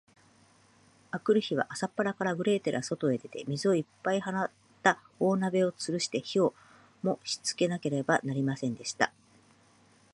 あくる日は、朝っぱらから、グレーテルはそとへ出て、水をいっぱいはった大鍋をつるして、火をもしつけなければなりませんでした。